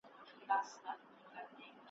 په کابل کي د بهرنیو چارو وزارت مخي ته .